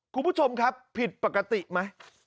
คุณผู้ชมครับผิดปกติไหม